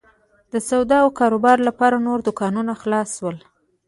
د سودا او کاروبار لپاره نور دوکانونه خلاص شول.